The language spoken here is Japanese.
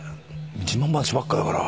自慢話ばっかだから